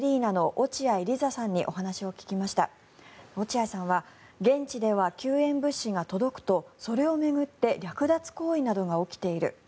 落合さんは現地では救援物資が届くとそれを巡って略奪行為などが起きている。